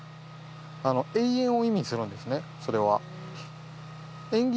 永遠を意味するんですねそれは。